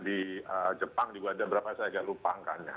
di jepang juga ada berapa saya agak lupa angkanya